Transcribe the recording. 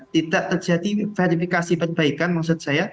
tidak terjadi verifikasi perbaikan maksud saya